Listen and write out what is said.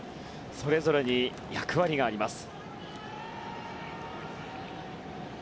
それぞれに役割があります。